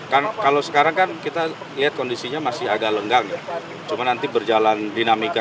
hai kalau sekarang kan kita lihat kondisinya masih ada lenggang cuma nanti berjalan dinamika